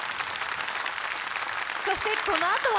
そしてこのあとは！